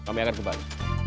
kami akan kembali